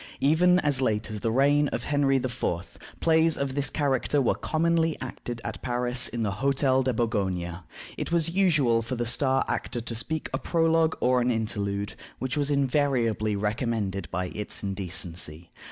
Even as late as the reign of Henry IV., plays of this character were commonly acted at Paris at the Hotel de Bourgogne. It was usual for the star actor to speak a prologue or an interlude, which was invariably recommended by its indecency.